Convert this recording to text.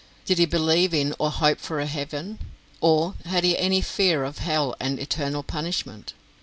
Did he believe in or hope for a heaven? or had he any fear of hell and eternal punishment?